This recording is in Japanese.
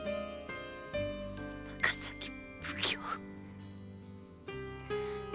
長崎奉行！